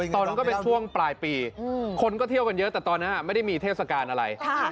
ตอนนั้นก็เป็นช่วงปลายปีคนก็เที่ยวกันเยอะแต่ตอนนั้นไม่ได้มีเทศกาลอะไร